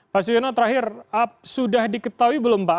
pak suyono terakhir sudah diketahui belum pak